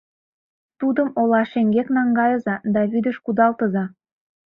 Тудым ола шеҥгек наҥгайыза да вӱдыш кудалтыза.